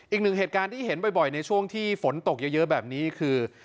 อีกหนึ่งเหตุการณ์ที่เห็นบ่อยในช่วงที่ฝนตกเยอะแบบนี้คือ